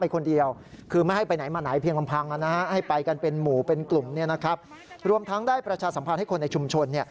ความทั้งได้ประชาสัมภาษณ์ให้คนในชุมชน